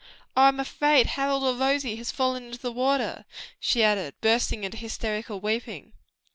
Oh, I'm afraid Harold or Rosie has fallen into the water!" she added bursting into hysterical weeping.